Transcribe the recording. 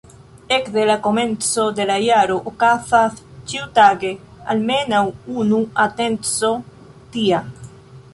Ekde la komenco de la jaro okazas ĉiutage almenaŭ unu atenco tia.